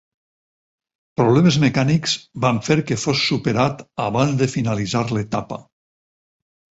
Problemes mecànics van fer que fos superat abans de finalitzar l'etapa.